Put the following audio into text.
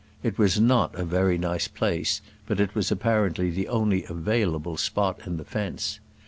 It was not a very nice place, but it was apparently the only available spot in the fence.